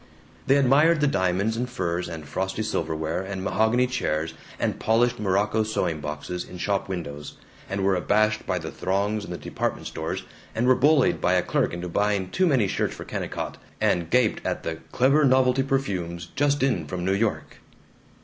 They admired the diamonds and furs and frosty silverware and mahogany chairs and polished morocco sewing boxes in shop windows, and were abashed by the throngs in the department stores, and were bullied by a clerk into buying too many shirts for Kennicott, and gaped at the "clever novelty perfumes just in from New York."